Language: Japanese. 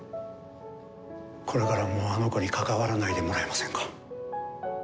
これからはもうあの子に関わらないでもらえませんか？